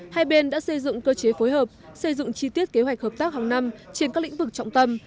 hai bên đã xây dựng cơ chế phối hợp xây dựng chi tiết kế hoạch hợp tác hàng năm trên các lĩnh vực trọng tâm